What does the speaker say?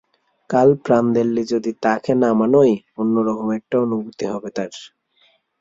কাল প্রানদেল্লি যদি তাঁকে নামানই, অন্য রকম একটা অনুভূতি হবে তাঁর।